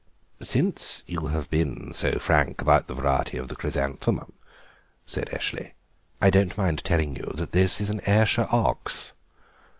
"Since you have been so frank about the variety of the chrysanthemum," said Eshley, "I don't mind telling you that this is an Ayrshire ox."